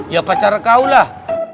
ya pacar kau lah